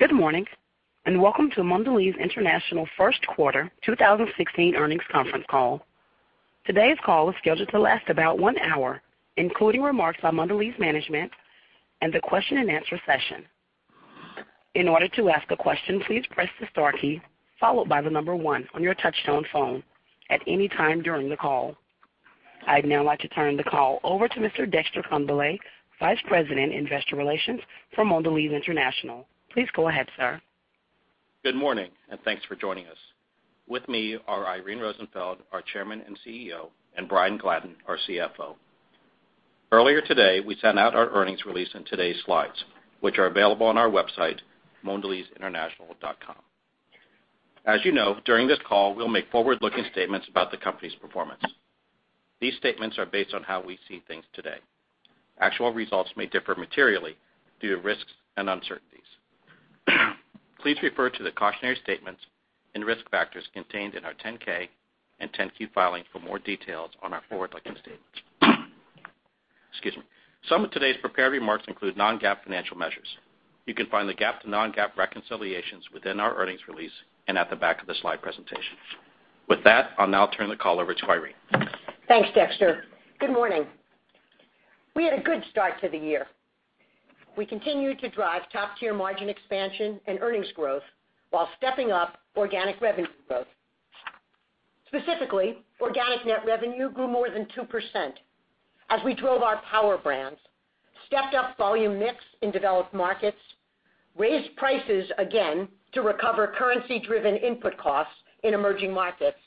Good morning, and welcome to Mondelēz International first quarter 2016 earnings conference call. Today's call is scheduled to last about one hour, including remarks by Mondelēz management and the question and answer session. In order to ask a question, please press the star key followed by the number one on your touch-tone phone at any time during the call. I'd now like to turn the call over to Mr. Dexter Congbalay, Vice President, Investor Relations for Mondelēz International. Please go ahead, sir. Good morning, thanks for joining us. With me are Irene Rosenfeld, our Chairman and CEO, and Brian Gladden, our CFO. Earlier today, we sent out our earnings release and today's slides, which are available on our website, mondelezinternational.com. As you know, during this call, we'll make forward-looking statements about the company's performance. These statements are based on how we see things today. Actual results may differ materially due to risks and uncertainties. Please refer to the cautionary statements and risk factors contained in our 10-K and 10-Q filings for more details on our forward-looking statements. Excuse me. Some of today's prepared remarks include non-GAAP financial measures. You can find the GAAP to non-GAAP reconciliations within our earnings release and at the back of the slide presentation. With that, I'll now turn the call over to Irene. Thanks, Dexter. Good morning. We had a good start to the year. We continued to drive top-tier margin expansion and earnings growth while stepping up organic revenue growth. Specifically, organic net revenue grew more than 2% as we drove our Power Brands, stepped up Volume/Mix in developed markets, raised prices again to recover currency-driven input costs in emerging markets,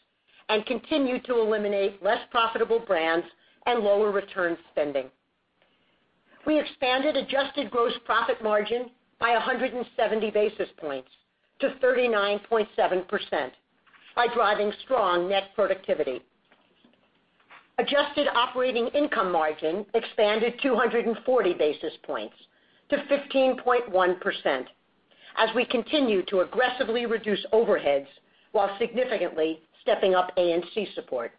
and continued to eliminate less profitable brands and lower return spending. We expanded adjusted gross profit margin by 170 basis points to 39.7% by driving strong net productivity. Adjusted Operating Income Margin expanded 240 basis points to 15.1% as we continue to aggressively reduce overheads while significantly stepping up A&C support.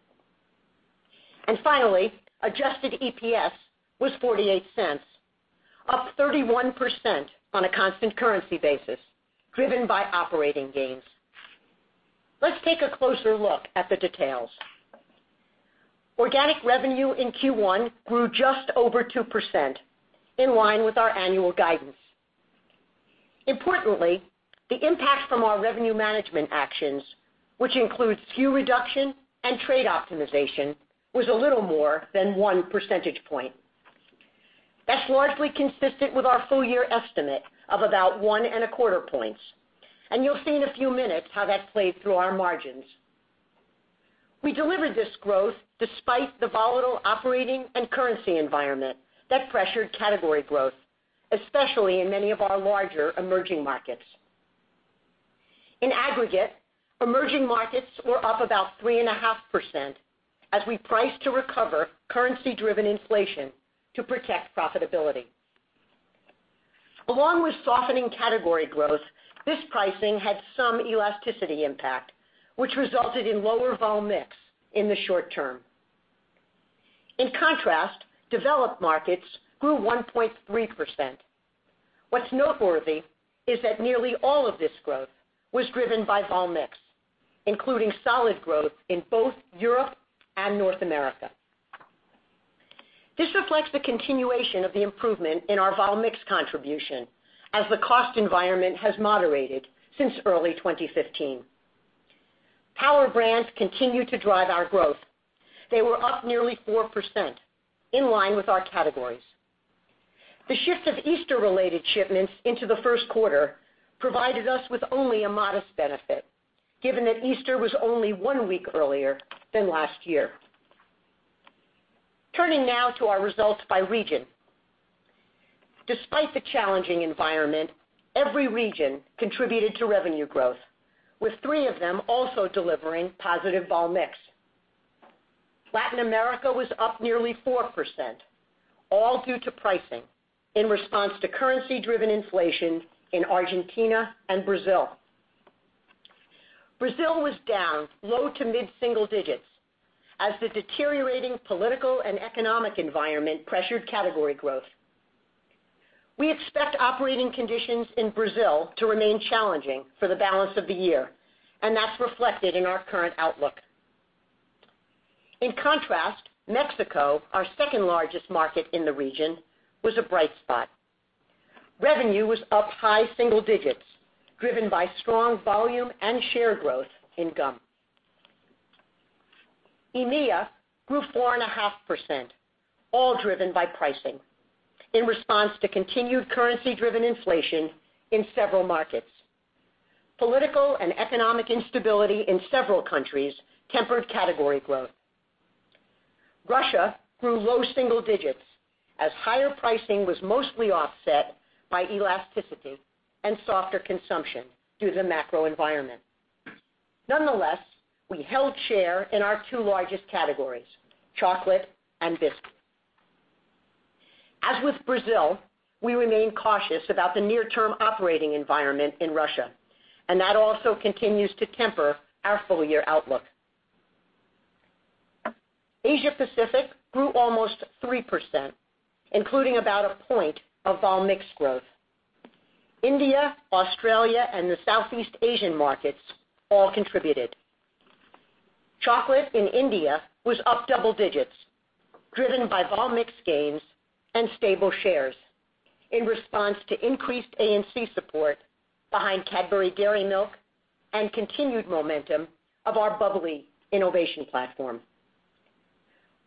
Finally, adjusted EPS was $0.48, up 31% on a constant currency basis, driven by operating gains. Let's take a closer look at the details. Organic revenue in Q1 grew just over 2%, in line with our annual guidance. Importantly, the impact from our revenue management actions, which includes SKU reduction and trade optimization, was a little more than one percentage point. That's largely consistent with our full-year estimate of about one and a quarter points, and you'll see in a few minutes how that played through our margins. We delivered this growth despite the volatile operating and currency environment that pressured category growth, especially in many of our larger emerging markets. In aggregate, emerging markets were up about 3.5% as we priced to recover currency-driven inflation to protect profitability. Along with softening category growth, this pricing had some elasticity impact, which resulted in lower Volume/Mix in the short term. In contrast, developed markets grew 1.3%. What's noteworthy is that nearly all of this growth was driven by vol mix, including solid growth in both Europe and North America. This reflects the continuation of the improvement in our vol mix contribution as the cost environment has moderated since early 2015. Power Brands continue to drive our growth. They were up nearly 4%, in line with our categories. The shift of Easter-related shipments into the first quarter provided us with only a modest benefit, given that Easter was only one week earlier than last year. Turning now to our results by region. Despite the challenging environment, every region contributed to revenue growth, with three of them also delivering positive vol mix. Latin America was up nearly 4%, all due to pricing in response to currency-driven inflation in Argentina and Brazil. Brazil was down low to mid-single digits as the deteriorating political and economic environment pressured category growth. We expect operating conditions in Brazil to remain challenging for the balance of the year, and that's reflected in our current outlook. In contrast, Mexico, our second-largest market in the region, was a bright spot. Revenue was up high single digits, driven by strong volume and share growth in gum. EMEA grew 4.5%, all driven by pricing in response to continued currency-driven inflation in several markets. Political and economic instability in several countries tempered category growth. Russia grew low single digits as higher pricing was mostly offset by elasticity and softer consumption due to the macro environment. Nonetheless, we held share in our two largest categories, chocolate and biscuits. As with Brazil, we remain cautious about the near-term operating environment in Russia, and that also continues to temper our full-year outlook. Asia Pacific grew almost 3%, including about a point of vol mix growth. India, Australia, and the Southeast Asian markets all contributed. Chocolate in India was up double digits, driven by vol mix gains and stable shares in response to increased A&C support behind Cadbury Dairy Milk and continued momentum of our Bubbly innovation platform.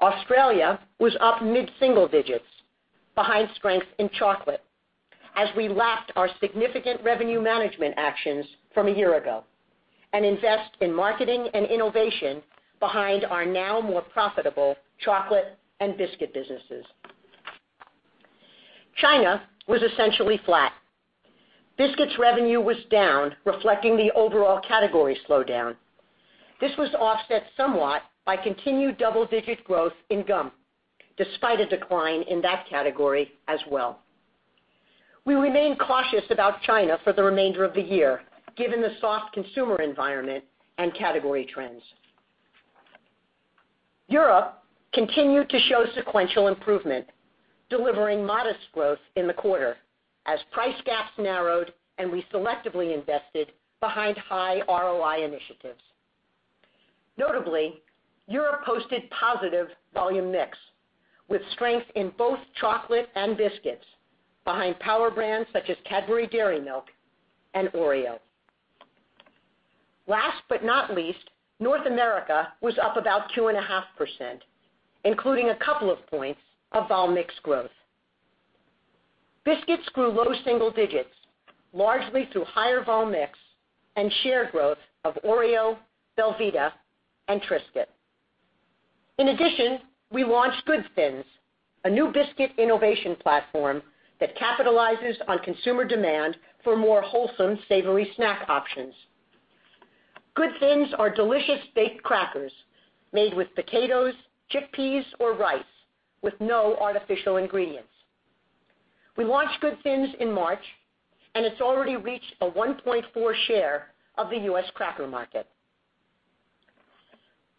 Australia was up mid-single digits behind strength in chocolate as we lapped our significant revenue management actions from a year ago and invest in marketing and innovation behind our now more profitable chocolate and biscuit businesses. China was essentially flat. Biscuits revenue was down, reflecting the overall category slowdown. This was offset somewhat by continued double-digit growth in gum, despite a decline in that category as well. We remain cautious about China for the remainder of the year, given the soft consumer environment and category trends. Europe continued to show sequential improvement, delivering modest growth in the quarter as price gaps narrowed and we selectively invested behind high ROI initiatives. Notably, Europe posted positive Volume/Mix with strength in both chocolate and biscuits behind Power Brands such as Cadbury Dairy Milk and Oreo. Last but not least, North America was up about 2.5%, including a couple of points of vol mix growth. Biscuits grew low single digits, largely through higher vol mix and share growth of Oreo, Belvita, and Triscuit. In addition, we launched Good Thins, a new biscuit innovation platform that capitalizes on consumer demand for more wholesome savory snack options. Good Thins are delicious baked crackers made with potatoes, chickpeas, or rice with no artificial ingredients. We launched Good Thins in March, and it's already reached a 1.4 share of the U.S. cracker market.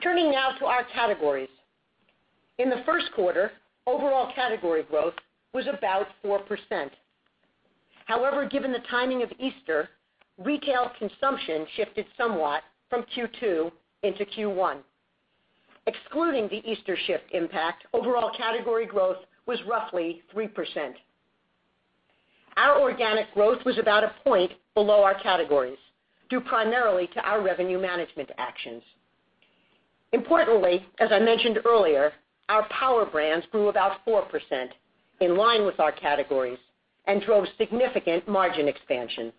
Turning now to our categories. In the first quarter, overall category growth was about 4%. Given the timing of Easter, retail consumption shifted somewhat from Q2 into Q1. Excluding the Easter shift impact, overall category growth was roughly 3%. Our organic growth was about a point below our categories, due primarily to our revenue management actions. Importantly, as I mentioned earlier, our Power Brands grew about 4%, in line with our categories and drove significant margin expansion.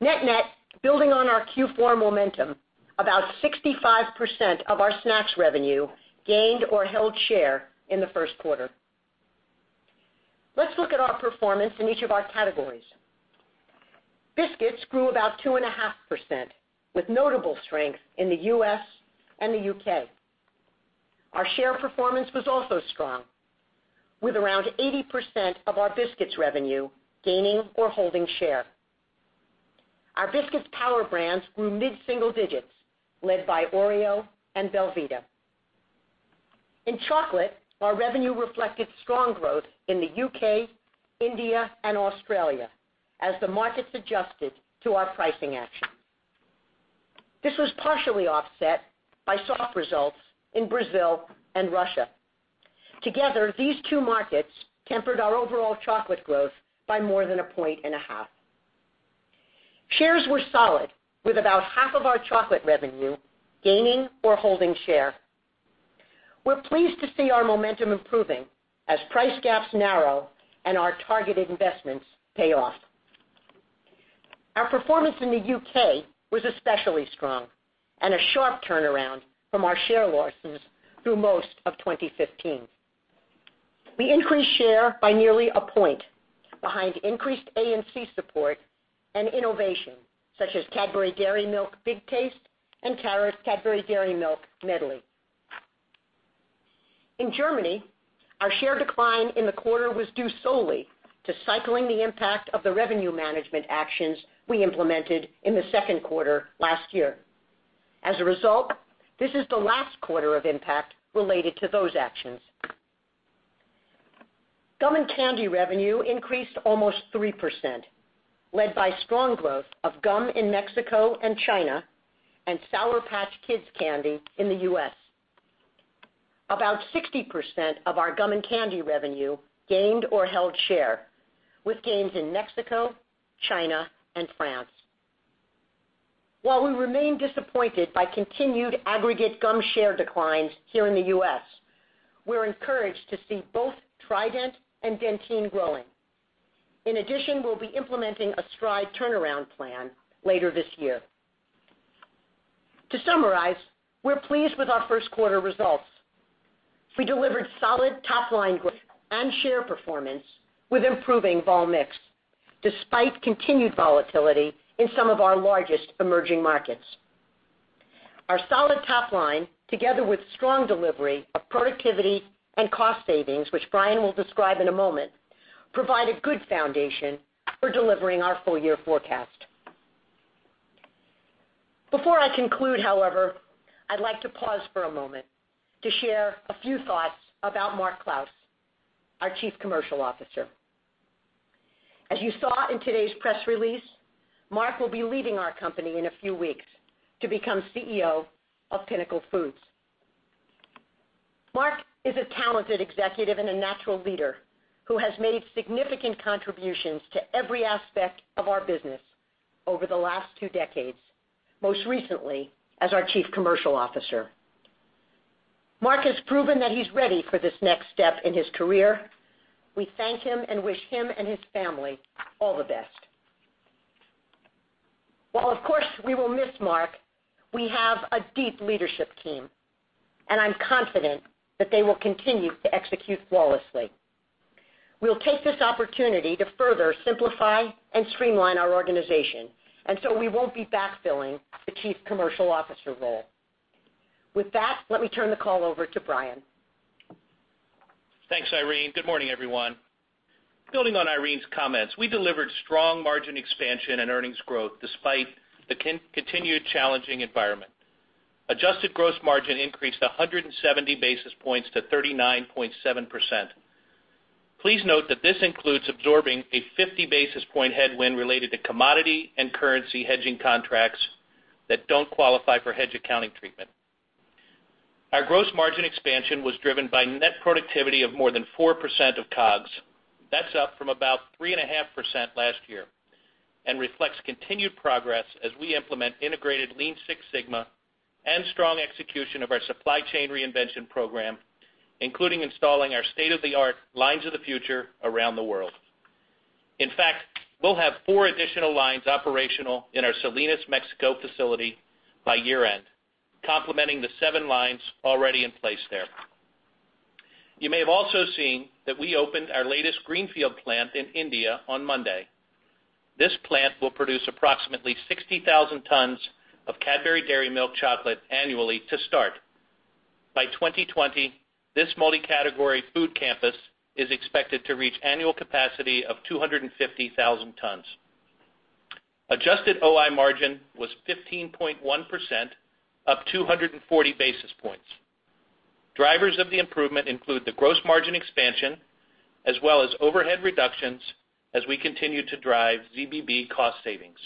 Net-net, building on our Q4 momentum, about 65% of our snacks revenue gained or held share in the first quarter. Let's look at our performance in each of our categories. Biscuits grew about 2.5% with notable strength in the U.S. and the U.K. Our share performance was also strong, with around 80% of our biscuits revenue gaining or holding share. Our biscuits Power Brands grew mid-single digits, led by Oreo and Belvita. In chocolate, our revenue reflected strong growth in the U.K., India, and Australia as the markets adjusted to our pricing action. This was partially offset by soft results in Brazil and Russia. Together, these two markets tempered our overall chocolate growth by more than a point and a half. Shares were solid with about half of our chocolate revenue gaining or holding share. We're pleased to see our momentum improving as price gaps narrow and our targeted investments pay off. Our performance in the U.K. was especially strong and a sharp turnaround from our share losses through most of 2015. We increased share by nearly a point behind increased A&C support and innovation, such as Cadbury Dairy Milk Big Taste and Cadbury Dairy Milk Medley. In Germany, our share decline in the quarter was due solely to cycling the impact of the revenue management actions we implemented in the second quarter last year. As a result, this is the last quarter of impact related to those actions. Gum and candy revenue increased almost 3%, led by strong growth of gum in Mexico and China and Sour Patch Kids candy in the U.S. About 60% of our gum and candy revenue gained or held share with gains in Mexico, China, and France. We remain disappointed by continued aggregate gum share declines here in the U.S., we're encouraged to see both Trident and Dentyne growing. We'll be implementing a Stride turnaround plan later this year. To summarize, we're pleased with our first quarter results. We delivered solid top-line growth and share performance with improving vol mix, despite continued volatility in some of our largest emerging markets. Our solid top line, together with strong delivery of productivity and cost savings, which Brian will describe in a moment, provide a good foundation for delivering our full-year forecast. I'd like to pause for a moment to share a few thoughts about Mark Clouse, our Chief Commercial Officer. As you saw in today's press release, Mark will be leaving our company in a few weeks to become CEO of Pinnacle Foods. Mark is a talented executive and a natural leader, who has made significant contributions to every aspect of our business over the last two decades, most recently as our Chief Commercial Officer. Mark has proven that he's ready for this next step in his career. We thank him and wish him and his family all the best. While, of course, we will miss Mark, we have a deep leadership team, and I'm confident that they will continue to execute flawlessly. So we won't be backfilling the chief commercial officer role. With that, let me turn the call over to Brian. Thanks, Irene. Good morning, everyone. Building on Irene's comments, we delivered strong margin expansion and earnings growth despite the continued challenging environment. Adjusted gross margin increased 170 basis points to 39.7%. Please note that this includes absorbing a 50 basis point headwind related to commodity and currency hedging contracts that don't qualify for hedge accounting treatment. Our gross margin expansion was driven by net productivity of more than 4% of COGS. That's up from about 3.5% last year, and reflects continued progress as we implement integrated Lean Six Sigma and strong execution of our supply chain reinvention program, including installing our state-of-the-art lines of the future around the world. In fact, we'll have four additional lines operational in our Salinas, Mexico facility by year-end, complementing the seven lines already in place there. You may have also seen that we opened our latest greenfield plant in India on Monday. This plant will produce approximately 60,000 tons of Cadbury Dairy Milk chocolate annually to start. By 2020, this multi-category food campus is expected to reach annual capacity of 250,000 tons. Adjusted OI margin was 15.1%, up 240 basis points. Drivers of the improvement include the gross margin expansion, as well as overhead reductions as we continue to drive ZBB cost savings.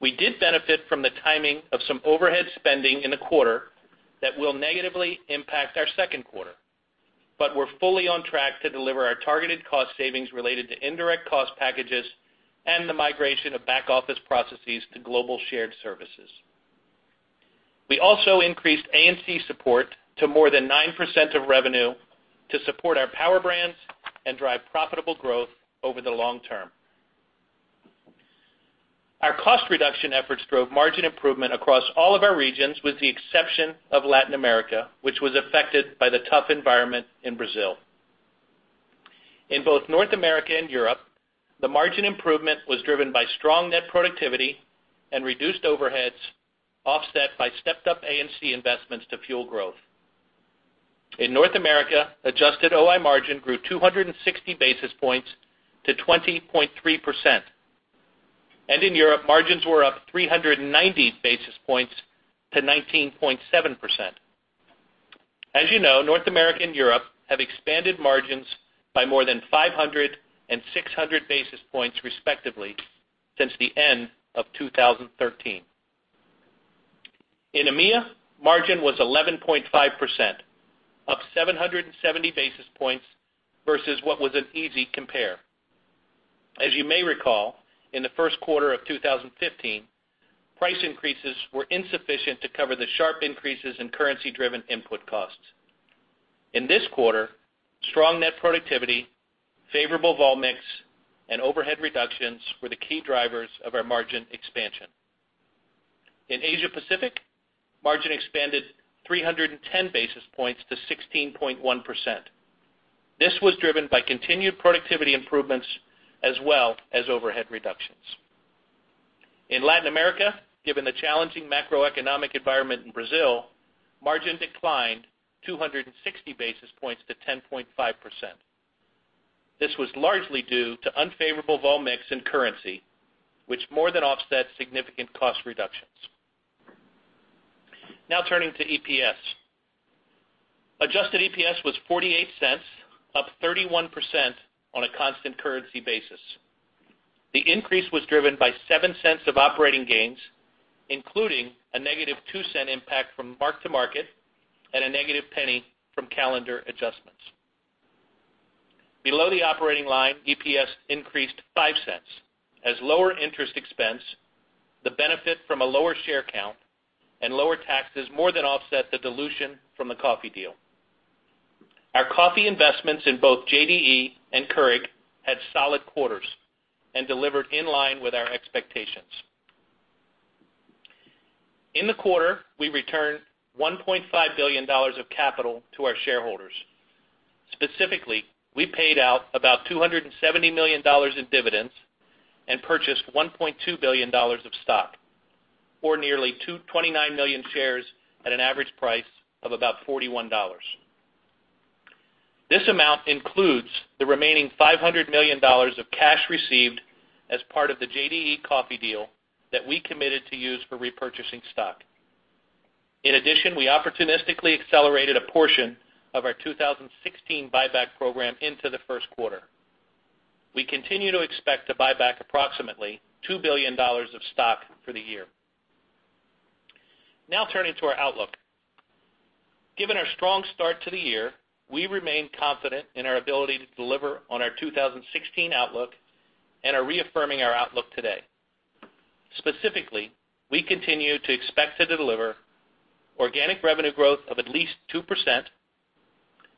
We did benefit from the timing of some overhead spending in the quarter that will negatively impact our second quarter, but we're fully on track to deliver our targeted cost savings related to indirect cost packages and the migration of back office processes to global shared services. We also increased A&C support to more than 9% of revenue to support our Power Brands and drive profitable growth over the long term. Our cost reduction efforts drove margin improvement across all of our regions, with the exception of Latin America, which was affected by the tough environment in Brazil. In both North America and Europe, the margin improvement was driven by strong net productivity and reduced overheads, offset by stepped up A&C investments to fuel growth. In North America, adjusted OI margin grew 260 basis points to 20.3%, and in Europe, margins were up 390 basis points to 19.7%. As you know, North America and Europe have expanded margins by more than 500 and 600 basis points respectively since the end of 2013. In EMEA, margin was 11.5%, up 770 basis points versus what was an easy compare. As you may recall, in the first quarter of 2015, price increases were insufficient to cover the sharp increases in currency-driven input costs. In this quarter, strong net productivity, favorable Vol/Mix, and overhead reductions were the key drivers of our margin expansion. In Asia Pacific, margin expanded 310 basis points to 16.1%. This was driven by continued productivity improvements as well as overhead reductions. In Latin America, given the challenging macroeconomic environment in Brazil, margin declined 260 basis points to 10.5%. This was largely due to unfavorable Vol/Mix in currency, which more than offset significant cost reductions. Now turning to EPS. Adjusted EPS was $0.48, up 31% on a constant currency basis. The increase was driven by $0.07 of operating gains, including a negative $0.02 impact from mark to market and a negative $0.01 from calendar adjustments. Below the operating line, EPS increased $0.05 as lower interest expense, the benefit from a lower share count, and lower taxes more than offset the dilution from the coffee deal. Our coffee investments in both JDE and Keurig had solid quarters and delivered in line with our expectations. In the quarter, we returned $1.5 billion of capital to our shareholders. Specifically, we paid out about $270 million in dividends and purchased $1.2 billion of stock, or nearly 29 million shares at an average price of about $41. This amount includes the remaining $500 million of cash received as part of the JDE coffee deal that we committed to use for repurchasing stock. In addition, we opportunistically accelerated a portion of our 2016 buyback program into the first quarter. We continue to expect to buy back approximately $2 billion of stock for the year. Now turning to our outlook. Given our strong start to the year, we remain confident in our ability to deliver on our 2016 outlook and are reaffirming our outlook today. Specifically, we continue to expect to deliver organic revenue growth of at least 2%,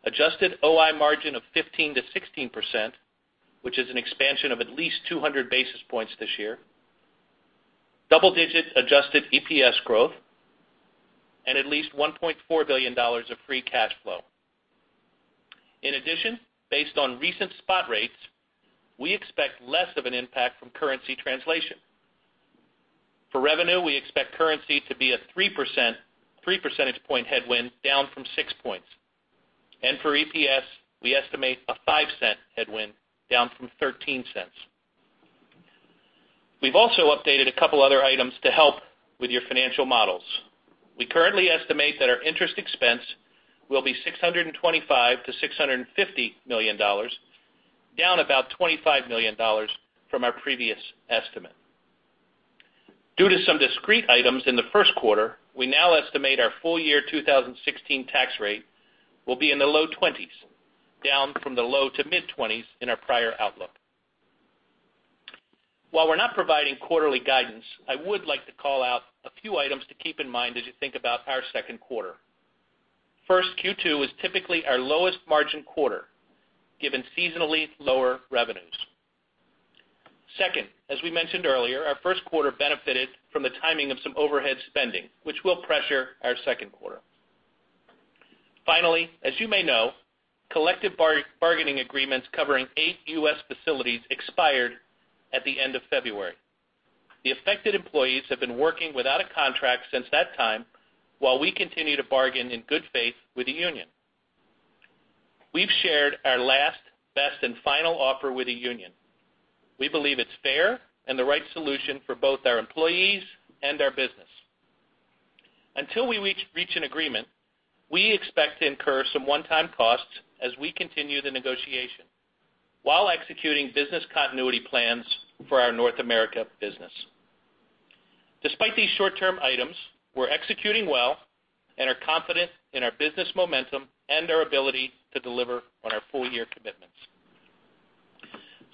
adjusted OI margin of 15%-16%, which is an expansion of at least 200 basis points this year, double-digit adjusted EPS growth, and at least $1.4 billion of free cash flow. In addition, based on recent spot rates, we expect less of an impact from currency translation. For revenue, we expect currency to be a 3 percentage point headwind down from six points. For EPS, we estimate a $0.05 headwind down from $0.13. We've also updated a couple other items to help with your financial models. We currently estimate that our interest expense will be $625 million-$650 million, down about $25 million from our previous estimate. Due to some discrete items in the first quarter, we now estimate our full year 2016 tax rate will be in the low 20s, down from the low to mid-20s in our prior outlook. While we're not providing quarterly guidance, I would like to call out a few items to keep in mind as you think about our second quarter. First, Q2 is typically our lowest margin quarter, given seasonally lower revenues. Second, as we mentioned earlier, our first quarter benefited from the timing of some overhead spending, which will pressure our second quarter. Finally, as you may know, collective bargaining agreements covering eight U.S. facilities expired at the end of February. The affected employees have been working without a contract since that time while we continue to bargain in good faith with the union. We've shared our last, best, and final offer with the union. We believe it's fair and the right solution for both our employees and our business. Until we reach an agreement, we expect to incur some one-time costs as we continue the negotiation while executing business continuity plans for our North America business. Despite these short-term items, we're executing well and are confident in our business momentum and our ability to deliver on our full-year commitments.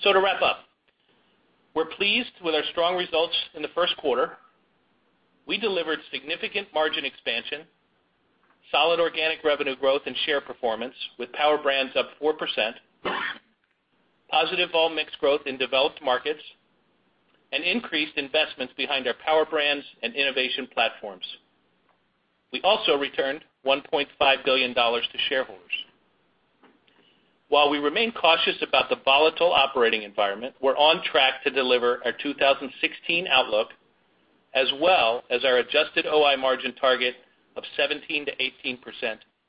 To wrap up, we're pleased with our strong results in the first quarter. We delivered significant margin expansion, solid organic revenue growth and share performance with Power Brands up 4%, positive volume mix growth in developed markets, and increased investments behind our Power Brands and innovation platforms. We also returned $1.5 billion to shareholders. While we remain cautious about the volatile operating environment, we're on track to deliver our 2016 outlook, as well as our adjusted OI margin target of 17%-18%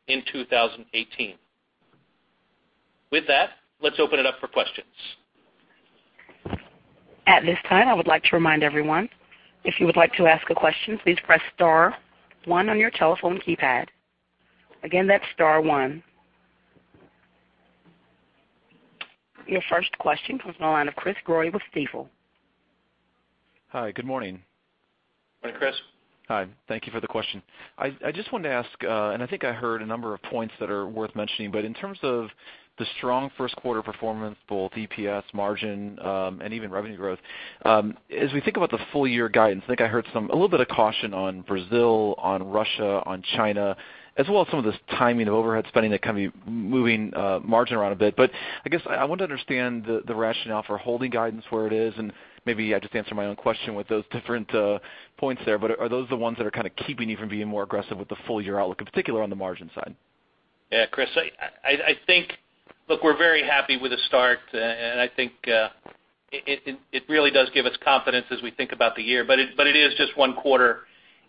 in 2018. With that, let's open it up for questions. At this time, I would like to remind everyone, if you would like to ask a question, please press star one on your telephone keypad. Again, that's star one. Your first question comes from the line of Chris Growe with Stifel. Hi, good morning. Good morning, Chris. Hi. Thank you for the question. I just wanted to ask, I think I heard a number of points that are worth mentioning, but in terms of the strong first quarter performance, both EPS margin, and even revenue growth, as we think about the full year guidance, I think I heard a little bit of caution on Brazil, on Russia, on China, as well as some of this timing of overhead spending that can be moving margin around a bit. I guess I want to understand the rationale for holding guidance where it is, and maybe I just answered my own question with those different points there, but are those the ones that are keeping you from being more aggressive with the full year outlook, in particular on the margin side? Yeah, Chris. Look, we're very happy with the start, I think it really does give us confidence as we think about the year. It is just one quarter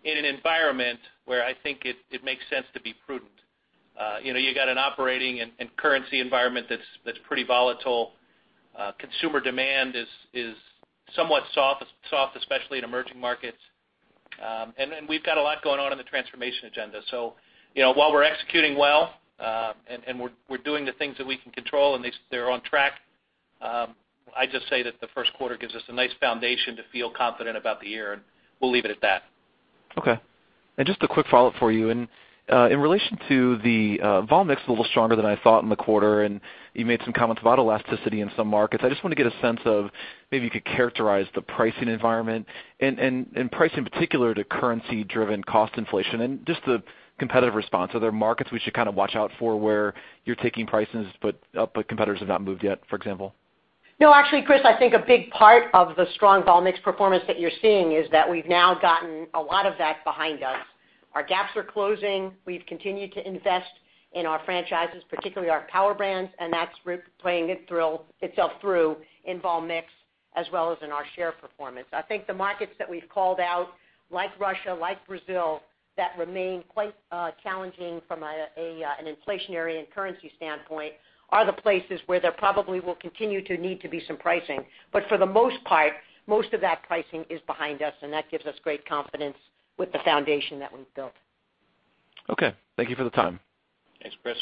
in an environment where I think it makes sense to be prudent. You got an operating and currency environment that's pretty volatile. Consumer demand is somewhat soft, especially in emerging markets. We've got a lot going on in the transformation agenda. While we're executing well, and we're doing the things that we can control, and they're on track, I'd just say that the first quarter gives us a nice foundation to feel confident about the year, and we'll leave it at that. Okay. Just a quick follow-up for you. In relation to the vol mix a little stronger than I thought in the quarter, you made some comments about elasticity in some markets. I just want to get a sense of maybe you could characterize the pricing environment and price in particular to currency-driven cost inflation and just the competitive response. Are there markets we should watch out for where you're taking prices, but competitors have not moved yet, for example? No, actually, Chris, I think a big part of the strong vol mix performance that you're seeing is that we've now gotten a lot of that behind us. Our gaps are closing. We've continued to invest in our franchises, particularly our Power Brands, and that's playing itself through in vol mix. As well as in our share performance. I think the markets that we've called out, like Russia, like Brazil, that remain quite challenging from an inflationary and currency standpoint, are the places where there probably will continue to need to be some pricing. For the most part, most of that pricing is behind us, and that gives us great confidence with the foundation that we've built. Okay, thank you for the time. Thanks, Chris.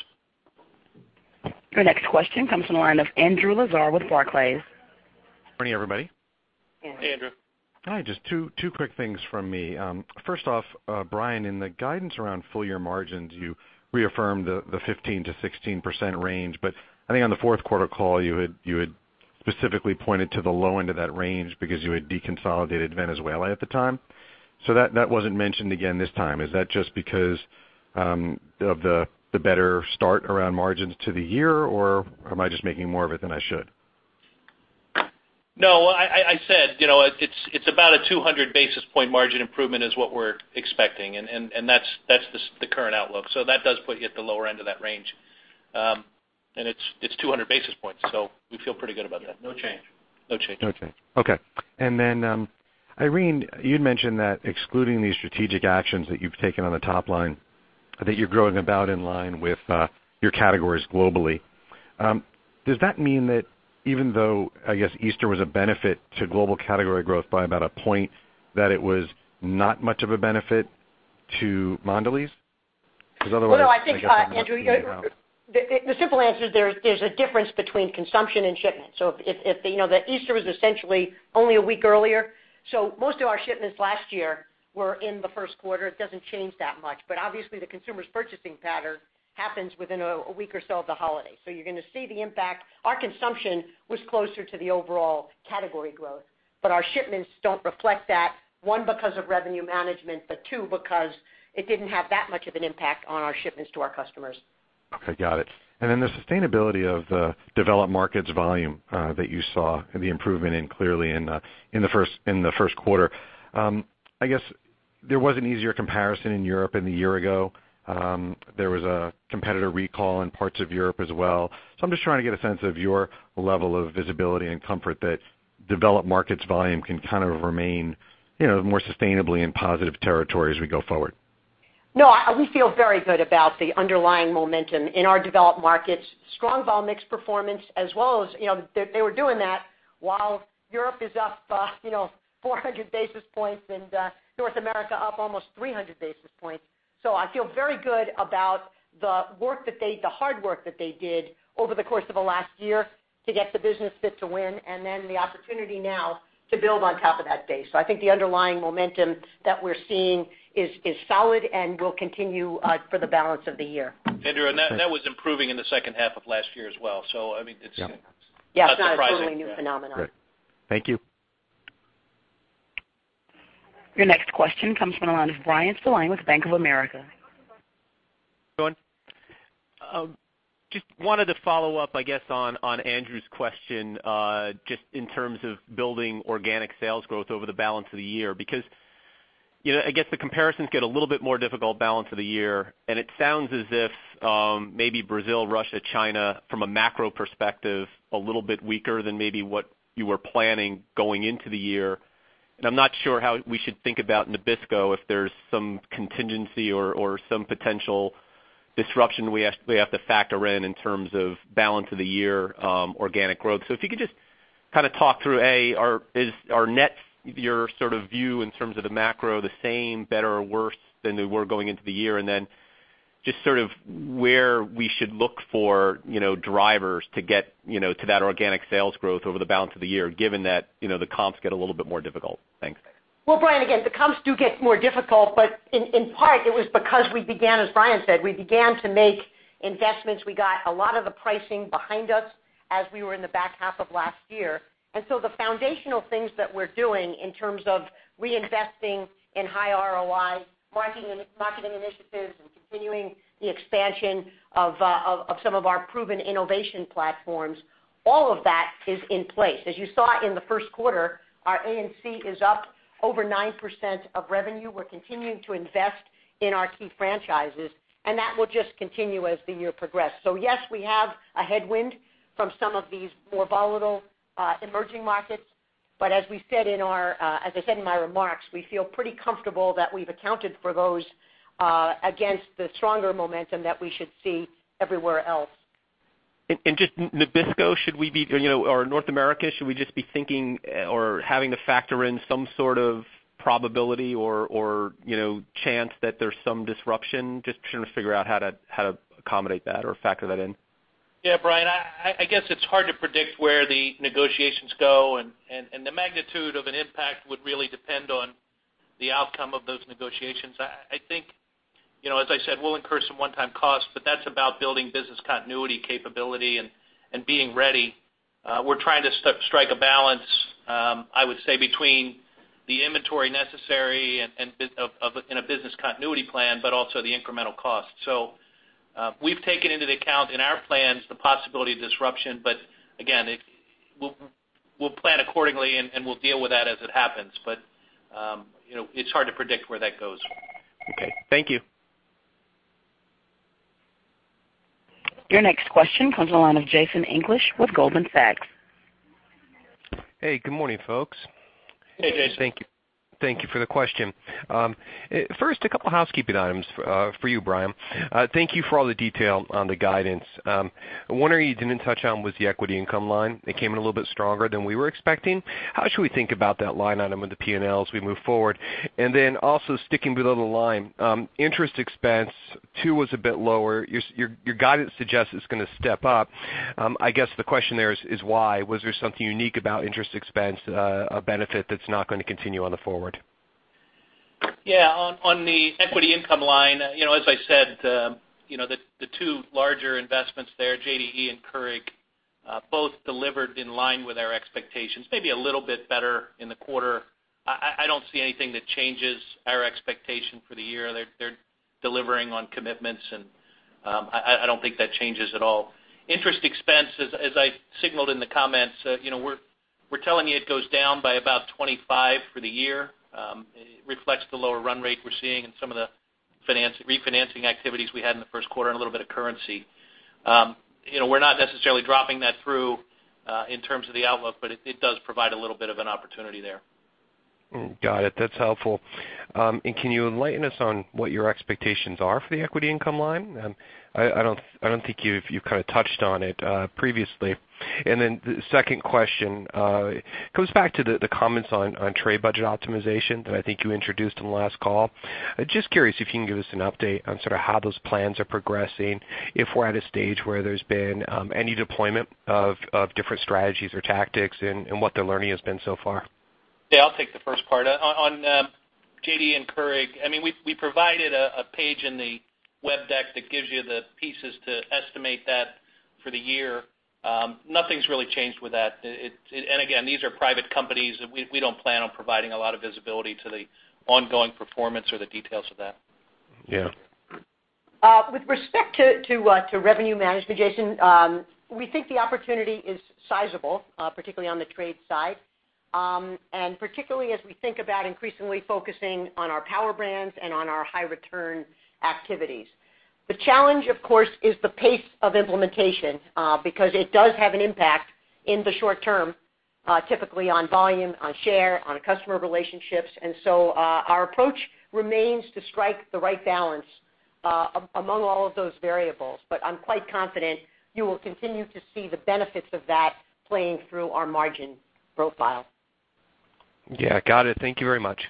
Your next question comes from the line of Andrew Lazar with Barclays. Morning, everybody. Hey, Andrew. Hi, just two quick things from me. First off, Brian, in the guidance around full year margins, you reaffirmed the 15%-16% range, but I think on the fourth quarter call, you had specifically pointed to the low end of that range because you had deconsolidated Venezuela at the time. That wasn't mentioned again this time. Is that just because of the better start around margins to the year, or am I just making more of it than I should? No. I said it's about a 200 basis point margin improvement is what we're expecting, and that's the current outlook. That does put you at the lower end of that range. It's 200 basis points, so we feel pretty good about that. No change. No change. Okay. Irene, you'd mentioned that excluding these strategic actions that you've taken on the top line, that you're growing about in line with your categories globally. Does that mean that even though, I guess Easter was a benefit to global category growth by about one point, that it was not much of a benefit to Mondelez? Because otherwise, I guess I'm not seeing how Well, no, I think, Andrew, the simple answer is there's a difference between consumption and shipments. The Easter was essentially only one week earlier, so most of our shipments last year were in the first quarter. It doesn't change that much, but obviously the consumer's purchasing pattern happens within one week or so of the holiday. You're going to see the impact. Our consumption was closer to the overall category growth, but our shipments don't reflect that, one, because of revenue management, but two, because it didn't have that much of an impact on our shipments to our customers. Okay, got it. The sustainability of the developed markets volume that you saw the improvement in clearly in the first quarter. I guess there was an easier comparison in Europe in the year-ago. There was a competitor recall in parts of Europe as well. I'm just trying to get a sense of your level of visibility and comfort that developed markets volume can kind of remain more sustainably in positive territory as we go forward. No, we feel very good about the underlying momentum in our developed markets. Strong Volume/Mix performance as well as they were doing that while Europe is up 400 basis points and North America up almost 300 basis points. I feel very good about the hard work that they did over the course of the last year to get the business fit to win, and then the opportunity now to build on top of that base. I think the underlying momentum that we're seeing is solid and will continue for the balance of the year. Andrew, that was improving in the second half of last year as well, so it's not surprising. Yeah, it's not a totally new phenomenon. Great. Thank you. Your next question comes from the line of Bryan Spillane with Bank of America. Just wanted to follow up, I guess, on Andrew's question, just in terms of building organic sales growth over the balance of the year, because I guess the comparisons get a little bit more difficult balance of the year, and it sounds as if maybe Brazil, Russia, China, from a macro perspective, a little bit weaker than maybe what you were planning going into the year. I'm not sure how we should think about Nabisco, if there's some contingency or some potential disruption we have to factor in in terms of balance of the year organic growth. If you could just talk through, A, is our net, your sort of view in terms of the macro, the same, better or worse than they were going into the year? Just sort of where we should look for drivers to get to that organic sales growth over the balance of the year, given that the comps get a little bit more difficult. Thanks. Brian, again, the comps do get more difficult, but in part, it was because we began, as Brian said, we began to make investments. We got a lot of the pricing behind us as we were in the back half of last year. The foundational things that we're doing in terms of reinvesting in high ROI marketing initiatives and continuing the expansion of some of our proven innovation platforms, all of that is in place. As you saw in the first quarter, our A&C is up over 9% of revenue. We're continuing to invest in our key franchises, and that will just continue as the year progressed. Yes, we have a headwind from some of these more volatile emerging markets. As I said in my remarks, we feel pretty comfortable that we've accounted for those against the stronger momentum that we should see everywhere else. Just Nabisco or North America, should we just be thinking or having to factor in some sort of probability or chance that there's some disruption? Just trying to figure out how to accommodate that or factor that in. Brian, I guess it's hard to predict where the negotiations go, and the magnitude of an impact would really depend on the outcome of those negotiations. I think, as I said, we'll incur some one-time costs, but that's about building business continuity capability and being ready. We're trying to strike a balance, I would say, between the inventory necessary in a business continuity plan, but also the incremental cost. We've taken into account in our plans the possibility of disruption, but again, we'll plan accordingly and we'll deal with that as it happens. It's hard to predict where that goes. Okay. Thank you. Your next question comes on the line of Jason English with Goldman Sachs. Hey, good morning, folks. Hey, Jason. Thank you for the question. First, a couple housekeeping items for you, Brian. Thank you for all the detail on the guidance. One area you didn't touch on was the equity income line. It came in a little bit stronger than we were expecting. How should we think about that line item in the P&L as we move forward? Also sticking below the line, interest expense too was a bit lower. Your guidance suggests it's going to step up. I guess the question there is why? Was there something unique about interest expense, a benefit that's not going to continue on the forward? Yeah. On the equity income line, as I said the two larger investments there, JDE and Keurig, both delivered in line with our expectations, maybe a little bit better in the quarter. I don't see anything that changes our expectation for the year. They're delivering on commitments, and I don't think that changes at all. Interest expense, as I signaled in the comments we're telling you it goes down by about $25 for the year. It reflects the lower run rate we're seeing and some of the refinancing activities we had in the first quarter and a little bit of currency. We're not necessarily dropping that through in terms of the outlook, but it does provide a little bit of an opportunity there. Got it. That's helpful. Can you enlighten us on what your expectations are for the equity income line? I don't think you've touched on it previously. Then the second question goes back to the comments on trade budget optimization that I think you introduced on the last call. Just curious if you can give us an update on how those plans are progressing, if we're at a stage where there's been any deployment of different strategies or tactics, and what the learning has been so far. Yeah, I'll take the first part. On JDE and Keurig, we provided a page in the web deck that gives you the pieces to estimate that for the year. Nothing's really changed with that. Again, these are private companies. We don't plan on providing a lot of visibility to the ongoing performance or the details of that. Yeah. With respect to revenue management, Jason, we think the opportunity is sizable, particularly on the trade side, and particularly as we think about increasingly focusing on our Power Brands and on our high return activities. The challenge, of course, is the pace of implementation because it does have an impact in the short term typically on volume, on share, on customer relationships. So our approach remains to strike the right balance among all of those variables. I'm quite confident you will continue to see the benefits of that playing through our margin profile. Yeah, got it. Thank you very much.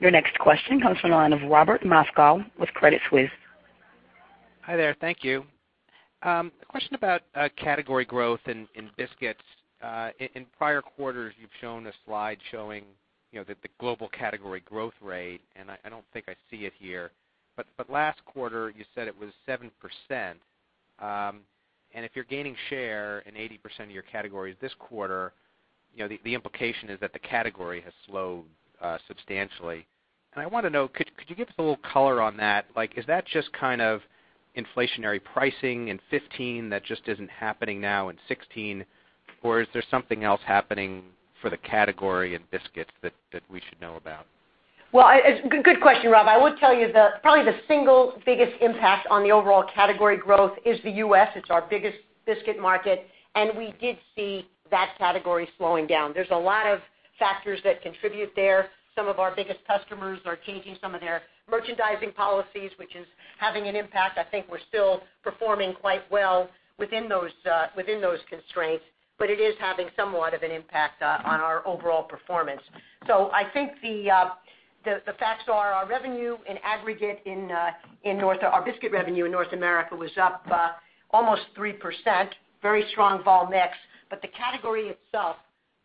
Your next question comes from the line of Robert Moskow with Credit Suisse. Hi there. Thank you. A question about category growth in biscuits. In prior quarters, you've shown a slide showing the global category growth rate. I don't think I see it here. Last quarter, you said it was 7%. If you're gaining share in 80% of your categories this quarter, the implication is that the category has slowed substantially. I want to know, could you give us a little color on that? Is that just inflationary pricing in 2015 that just isn't happening now in 2016? Is there something else happening for the category in biscuits that we should know about? Well, good question, Rob. I would tell you probably the single biggest impact on the overall category growth is the U.S. It's our biggest biscuit market. We did see that category slowing down. There's a lot of factors that contribute there. Some of our biggest customers are changing some of their merchandising policies, which is having an impact. I think we're still performing quite well within those constraints, but it is having somewhat of an impact on our overall performance. I think the facts are our biscuit revenue in North America was up almost 3%, very strong Vol Mix. The category itself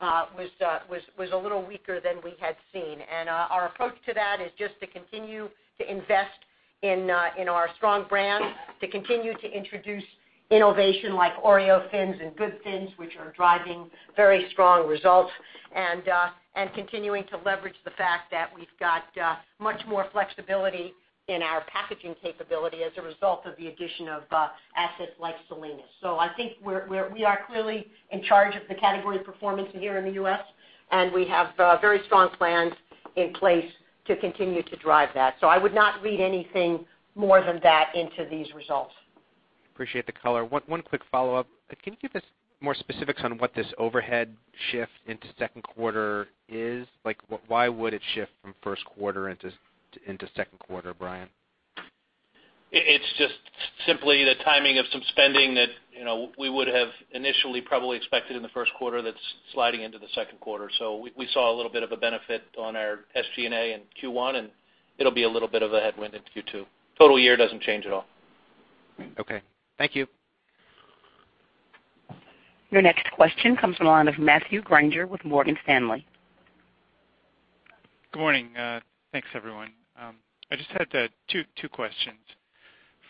was a little weaker than we had seen. Our approach to that is just to continue to invest in our strong brands, to continue to introduce innovation like Oreo Thins and Good Thins, which are driving very strong results, and continuing to leverage the fact that we've got much more flexibility in our packaging capability as a result of the addition of assets like Salinas. I think we are clearly in charge of the category performance here in the U.S., and we have very strong plans in place to continue to drive that. I would not read anything more than that into these results. Appreciate the color. One quick follow-up. Can you give us more specifics on what this overhead shift into second quarter is? Why would it shift from first quarter into second quarter, Brian? It's just simply the timing of some spending that we would have initially probably expected in the first quarter that's sliding into the second quarter. We saw a little bit of a benefit on our SG&A in Q1, and it'll be a little bit of a headwind into Q2. Total year doesn't change at all. Okay. Thank you. Your next question comes from the line of Matthew Grainger with Morgan Stanley. Good morning. Thanks, everyone. I just had two questions.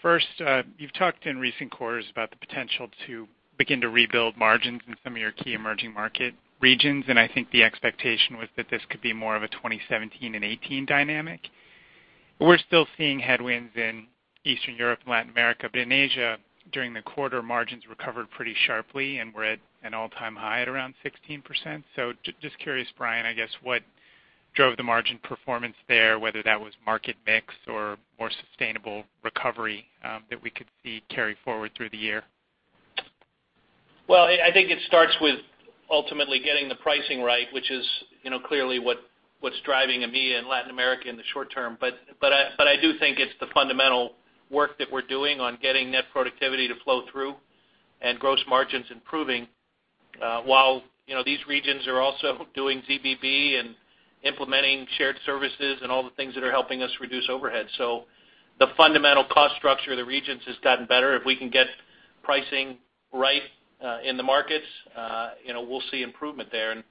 First, you've talked in recent quarters about the potential to begin to rebuild margins in some of your key emerging market regions, and I think the expectation was that this could be more of a 2017 and 2018 dynamic. We're still seeing headwinds in Eastern Europe and Latin America, but in Asia during the quarter, margins recovered pretty sharply and were at an all-time high at around 16%. Just curious, Brian, I guess what drove the margin performance there, whether that was market mix or more sustainable recovery that we could see carry forward through the year? Well, I think it starts with ultimately getting the pricing right, which is clearly what's driving EMEA and Latin America in the short term. I do think it's the fundamental work that we're doing on getting net productivity to flow through and gross margins improving, while these regions are also doing ZBB and implementing shared services and all the things that are helping us reduce overhead. The fundamental cost structure of the regions has gotten better. If we can get pricing right in the markets, we'll see improvement there.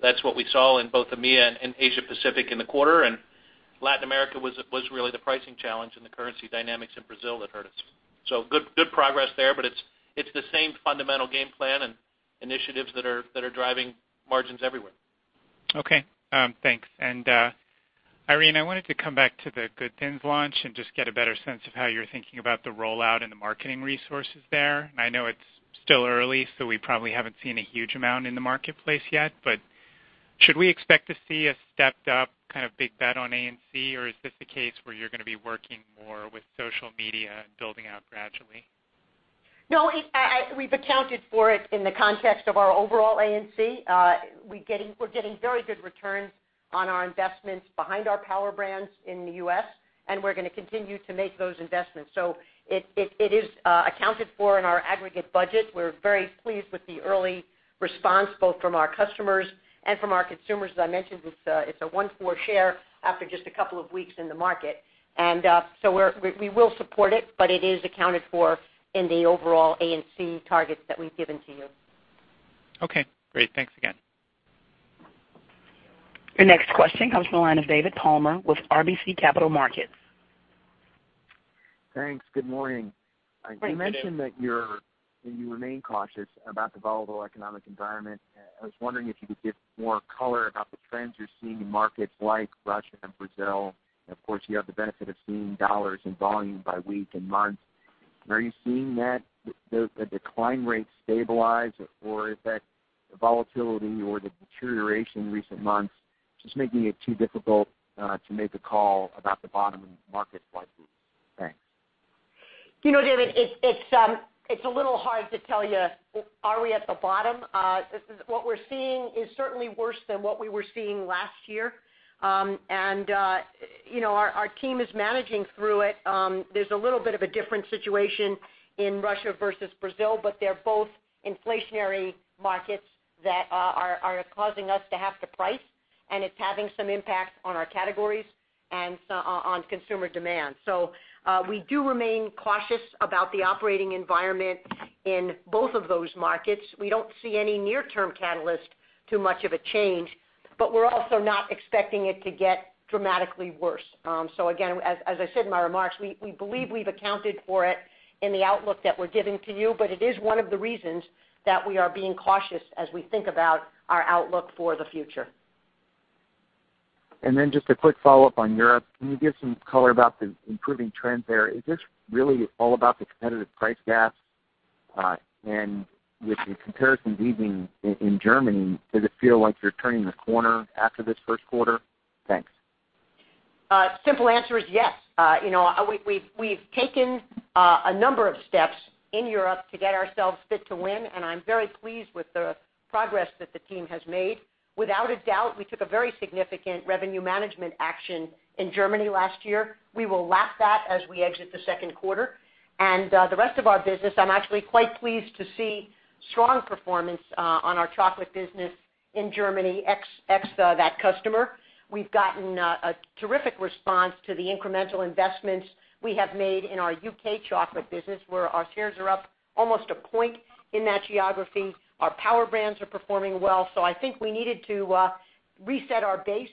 That's what we saw in both EMEA and Asia Pacific in the quarter, and Latin America was really the pricing challenge and the currency dynamics in Brazil that hurt us. Good progress there, but it's the same fundamental game plan and initiatives that are driving margins everywhere. Okay, thanks. Irene, I wanted to come back to the Good Thins launch and just get a better sense of how you're thinking about the rollout and the marketing resources there. I know it's still early, so we probably haven't seen a huge amount in the marketplace yet. Should we expect to see a stepped up big bet on A&C or is this a case where you're going to be working more with social media and building out gradually? No, we've accounted for it in the context of our overall A&C. We're getting very good returns on our investments behind our Power Brands in the U.S., and we're going to continue to make those investments. It is accounted for in our aggregate budget. We're very pleased with the early response, both from our customers and from our consumers. As I mentioned, it's a 1.4 share after just a couple of weeks in the market. We will support it, but it is accounted for in the overall A&C targets that we've given to you. Okay, great. Thanks again. Your next question comes from the line of David Palmer with RBC Capital Markets. Thanks. Good morning. Good morning, David. You mentioned that you remain cautious about the volatile economic environment. I was wondering if you could give more color about the trends you're seeing in markets like Russia and Brazil. Of course, you have the benefit of seeing dollars in volume by week and month. Are you seeing that the decline rate stabilize, or is that the volatility or the deterioration in recent months just making it too difficult to make a call about the bottom in markets like these? Thanks. David, it's a little hard to tell you, are we at the bottom? What we're seeing is certainly worse than what we were seeing last year. Our team is managing through it. There's a little bit of a different situation in Russia versus Brazil, they're both inflationary markets that are causing us to have to price, it's having some impact on our categories and on consumer demand. We do remain cautious about the operating environment in both of those markets. We don't see any near-term catalyst to much of a change, we're also not expecting it to get dramatically worse. Again, as I said in my remarks, we believe we've accounted for it in the outlook that we're giving to you, it is one of the reasons that we are being cautious as we think about our outlook for the future. Just a quick follow-up on Europe. Can you give some color about the improving trends there? Is this really all about the competitive price gaps? With the comparisons easing in Germany, does it feel like you're turning the corner after this first quarter? Thanks. Simple answer is yes. We've taken a number of steps in Europe to get ourselves fit to win, and I'm very pleased with the progress that the team has made. Without a doubt, we took a very significant revenue management action in Germany last year. We will lap that as we exit the second quarter. The rest of our business, I'm actually quite pleased to see strong performance on our chocolate business in Germany, ex that customer. We've gotten a terrific response to the incremental investments we have made in our U.K. chocolate business, where our shares are up almost a point in that geography. Our Power Brands are performing well. I think we needed to reset our base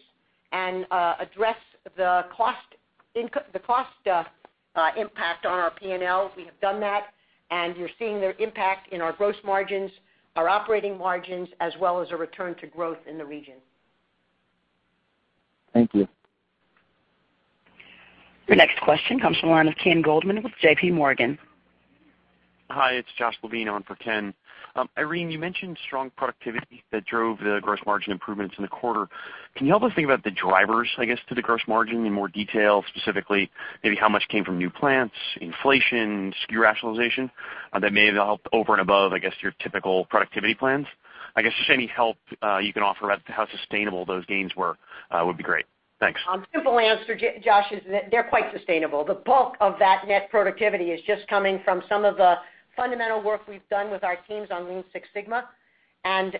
and address the cost impact on our P&L. We have done that, you're seeing their impact in our gross margins, our operating margins, as well as a return to growth in the region. Thank you. Your next question comes from the line of Ken Goldman with JPMorgan. Hi, it's Josh Levine on for Ken. Irene, you mentioned strong productivity that drove the gross margin improvements in the quarter. Can you help us think about the drivers, I guess, to the gross margin in more detail? Specifically, maybe how much came from new plants, inflation, SKU rationalization that may have helped over and above, I guess, your typical productivity plans? I guess just any help you can offer about how sustainable those gains were would be great. Thanks. Simple answer, Josh, is that they're quite sustainable. The bulk of that net productivity is just coming from some of the fundamental work we've done with our teams on Lean Six Sigma and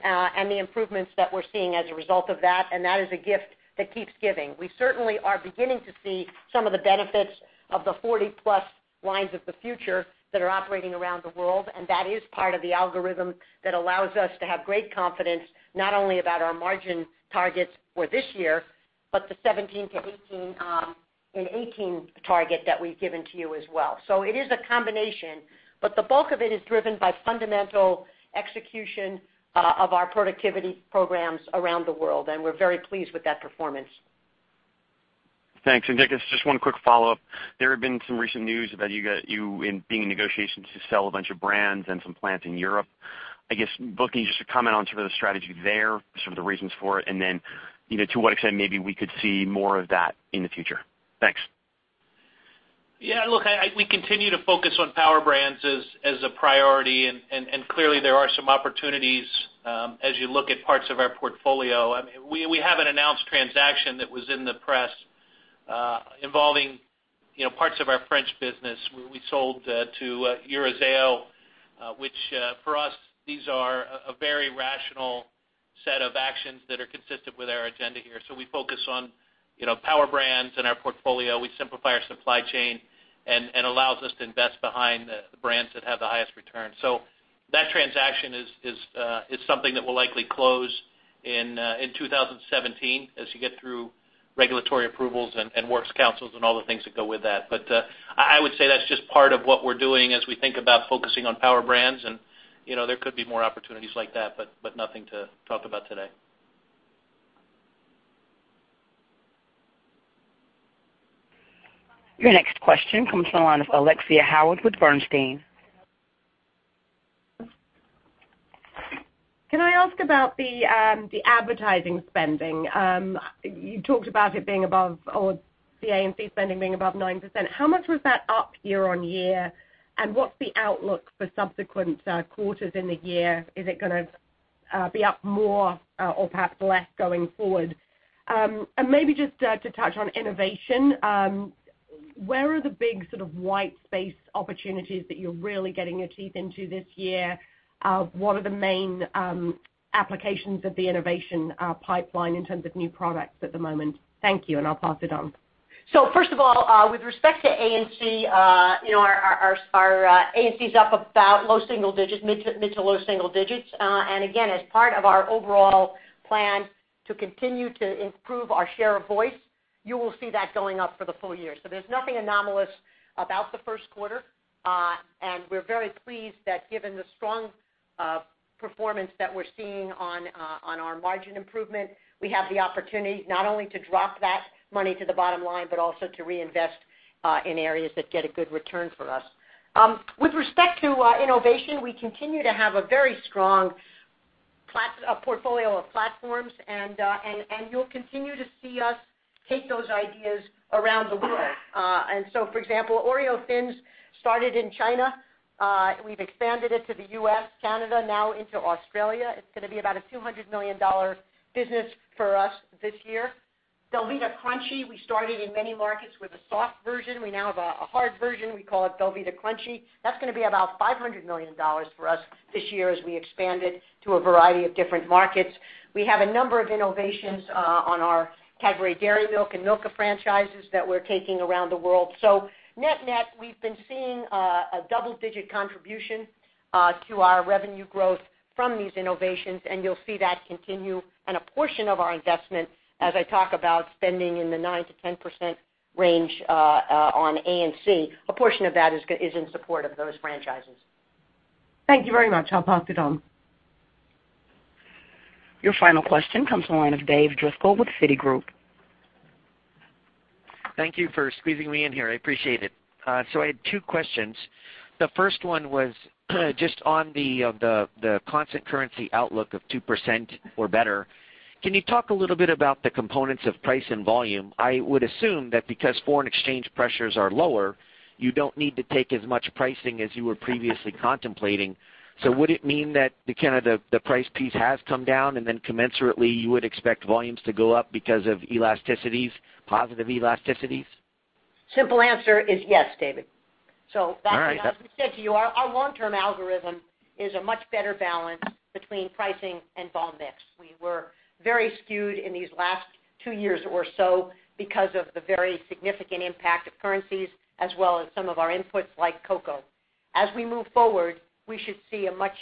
the improvements that we're seeing as a result of that. That is a gift that keeps giving. We certainly are beginning to see some of the benefits of the 40+ lines of the future that are operating around the world. That is part of the algorithm that allows us to have great confidence not only about our margin targets for this year, but the 2017- 2018 target that we've given to you as well. It is a combination, but the bulk of it is driven by fundamental execution of our productivity programs around the world. We're very pleased with that performance. Thanks. Dick, just one quick follow-up. There have been some recent news about you being in negotiations to sell a bunch of brands and some plants in Europe. I guess both of you, just a comment on sort of the strategy there, sort of the reasons for it, and then, to what extent maybe we could see more of that in the future. Thanks. Yeah, look, we continue to focus on Power Brands as a priority, and clearly there are some opportunities, as you look at parts of our portfolio. We have an announced transaction that was in the press, involving parts of our French business where we sold to Eurazeo, which for us, these are a very rational set of actions that are consistent with our agenda here. We focus on Power Brands in our portfolio. We simplify our supply chain and allows us to invest behind the brands that have the highest return. That transaction is something that will likely close in 2017 as you get through regulatory approvals and works councils and all the things that go with that. I would say that's just part of what we're doing as we think about focusing on Power Brands and there could be more opportunities like that, but nothing to talk about today. Your next question comes from the line of Alexia Howard with Bernstein. Can I ask about the advertising spending? You talked about it being above, or the A&C spending being above 9%. How much was that up year-on-year, and what's the outlook for subsequent quarters in the year? Is it going to be up more or perhaps less going forward? Maybe just to touch on innovation, where are the big sort of white space opportunities that you're really getting your teeth into this year? What are the main applications of the innovation pipeline in terms of new products at the moment? Thank you, and I'll pass it on. First of all, with respect to A&C, our A&C is up about mid to low single digits. Again, as part of our overall plan to continue to improve our share of voice, you will see that going up for the full year. There is nothing anomalous about the first quarter. We are very pleased that given the strong performance that we are seeing on our margin improvement, we have the opportunity not only to drop that money to the bottom line, but also to reinvest in areas that get a good return for us. With respect to innovation, we continue to have a very strong portfolio of platforms and you will continue to see us take those ideas around the world. For example, Oreo Thins started in China. We have expanded it to the U.S., Canada, now into Australia. It is going to be about a $200 million business for us this year. Belvita Crunchy, we started in many markets with a soft version. We now have a hard version. We call it Belvita Crunchy. That is going to be about $500 million for us this year as we expand it to a variety of different markets. We have a number of innovations on our Cadbury Dairy Milk and Milka franchises that we are taking around the world. Net-net, we have been seeing a double digit contribution to our revenue growth from these innovations, and you will see that continue and a portion of our investment as I talk about spending in the 9%-10% range on A&C. A portion of that is in support of those franchises. Thank you very much. I will pass it on. Your final question comes from the line of Dave Driscoll with Citigroup. Thank you for squeezing me in here. I appreciate it. I had two questions. The first one was just on the constant currency outlook of 2% or better. Can you talk a little bit about the components of price and volume? I would assume that because foreign exchange pressures are lower, you don't need to take as much pricing as you were previously contemplating. Would it mean that the price piece has come down and then commensurately you would expect volumes to go up because of elasticities, positive elasticities? Simple answer is yes, David. All right. Back to, as we said to you, our long-term algorithm is a much better balance between pricing and Volume/Mix. We were very skewed in these last two years or so because of the very significant impact of currencies as well as some of our inputs like cocoa. As we move forward, we should see a much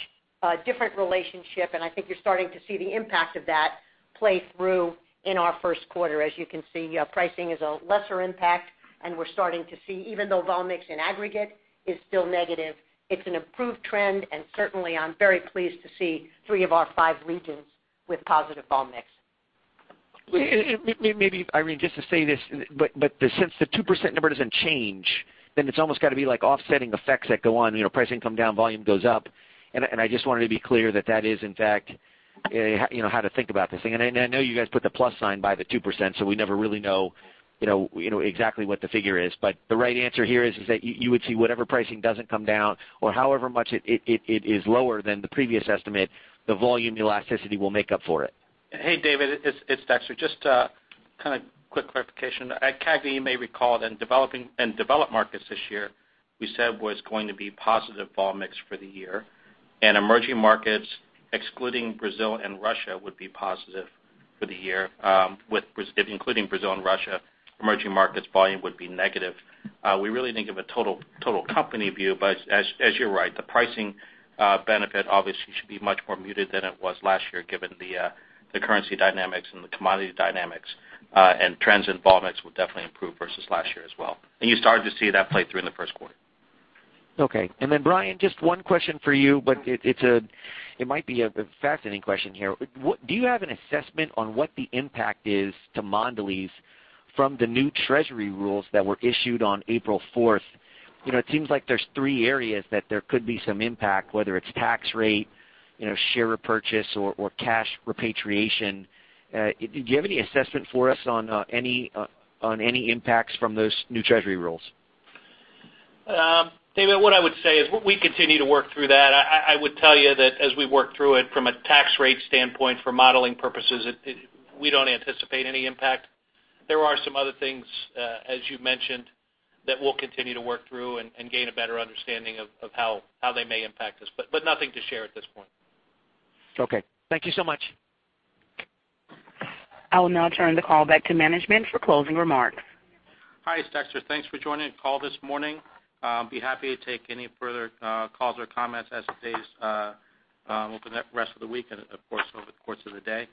different relationship, and I think you're starting to see the impact of that play through in our first quarter. As you can see, pricing is a lesser impact, and we're starting to see, even though Volume/Mix in aggregate is still negative, it's an improved trend, and certainly I'm very pleased to see three of our five regions with positive Volume/Mix. Irene, just to say this, since the 2% number doesn't change, it's almost got to be like offsetting effects that go on, pricing come down, volume goes up. I just wanted to be clear that that is in fact how to think about this thing. I know you guys put the plus sign by the 2%, so we never really know exactly what the figure is. The right answer here is that you would see whatever pricing doesn't come down or however much it is lower than the previous estimate, the volume elasticity will make up for it. Hey, David, it's Dexter. Just kind of quick clarification. At CAGNY, you may recall that in developed markets this year, we said was going to be positive vol mix for the year, emerging markets, excluding Brazil and Russia, would be positive for the year. Including Brazil and Russia, emerging markets volume would be negative. We really think of a total company view, as you're right, the pricing benefit obviously should be much more muted than it was last year given the currency dynamics and the commodity dynamics, trends in vol mix will definitely improve versus last year as well. You started to see that play through in the first quarter. Okay. Brian, just one question for you, it might be a fascinating question here. Do you have an assessment on what the impact is to Mondelēz from the new treasury rules that were issued on April 4th? It seems like there's three areas that there could be some impact, whether it's tax rate, share repurchase or cash repatriation. Do you have any assessment for us on any impacts from those new treasury rules? David, what I would say is we continue to work through that. I would tell you that as we work through it from a tax rate standpoint for modeling purposes, we don't anticipate any impact. There are some other things, as you mentioned, that we'll continue to work through and gain a better understanding of how they may impact us, nothing to share at this point. Okay. Thank you so much. I will now turn the call back to management for closing remarks. Hi, Dexter. Thanks for joining the call this morning. I'll be happy to take any further calls or comments as the day's open up rest of the week and of course over the course of the day.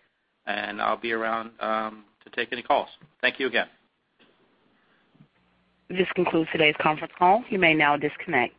I'll be around to take any calls. Thank you again. This concludes today's conference call. You may now disconnect.